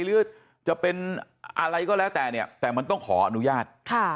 หรือจะเป็นอะไรก็แล้วแต่เนี่ยแต่มันต้องขออนุญาต